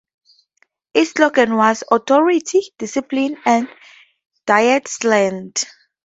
Its slogan was: "Authority, discipline and "Dietsland.